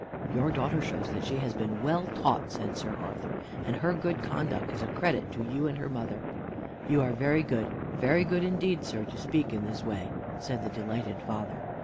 "Your daughter shows that she has been well taught," said Sir Arthur; "and her good conduct is a credit to you and her mother." "You are very good, very good indeed, sir, to speak in this way," said the delighted father.